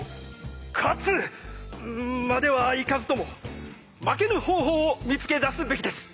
勝つまではいかずとも負けぬ方法を見つけ出すべきです。